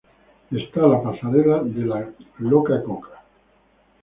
Está la pasarela de la Coca Cola.